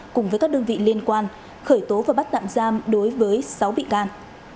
cùng với các đơn vị liên quan khởi tố và bắt tạm giam đối với sáu bị can